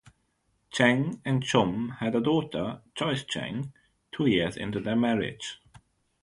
Cheng and Shum had a daughter, Joyce Cheng, two years into their marriage.